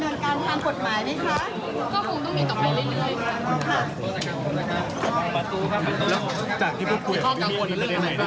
เรื่องต่อคณีตรวจสอบของช่วยประหลาดตัวสาหกครั้ง